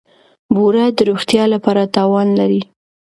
بوره د روغتیا لپاره تاوان لري.